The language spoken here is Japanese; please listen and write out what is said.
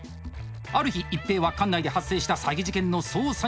ある日一平は管内で発生した詐欺事件の捜査に向かいます。